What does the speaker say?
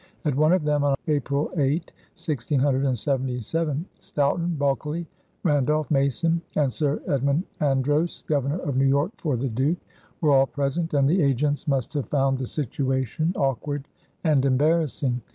At one of them, on April 8, 1677, Stoughton, Bulkeley, Randolph, Mason, and Sir Edmund Andros, Governor of New York for the Duke, were all present, and the agents must have found the situation awkward and embarrassing.